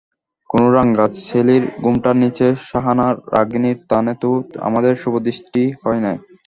কোনো রাঙা চেলির ঘোমটার নীচে শাহানা রাগিণীর তানে তো আমাদের শুভদৃষ্টি হয় নাই!